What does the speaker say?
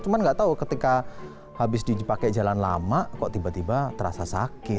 cuma nggak tahu ketika habis dipakai jalan lama kok tiba tiba terasa sakit